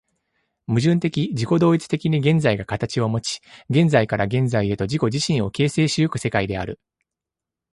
矛盾的自己同一的に現在が形をもち、現在から現在へと自己自身を形成し行く世界である。